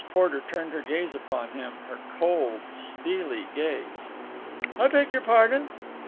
Porter turned her gaze upon him, her cold, steely gaze. "I beg your pardon?"